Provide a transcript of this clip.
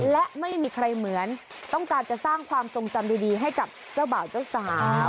และไม่มีใครเหมือนต้องการจะสร้างความทรงจำดีให้กับเจ้าบ่าวเจ้าสาว